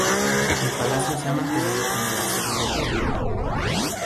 El palacio se ha mantenido como la sede del gobierno.